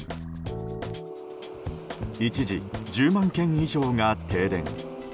一時、１０万軒以上が停電。